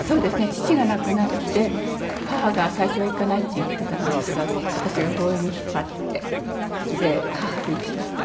父が亡くなって母が最初は「行かない」って言ってたんですけど私が強引に引っ張って母と行ってました。